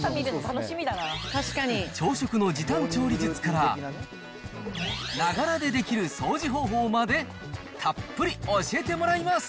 朝食の時短調理術から、ながらでできる掃除方法まで、たっぷり教えてもらいます。